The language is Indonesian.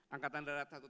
angkatan darat satu triliun